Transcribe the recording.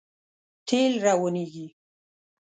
تېل روانېږي.